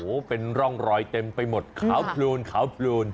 โอ้โหเป็นร่องรอยเต็มไปหมดขาวปลูน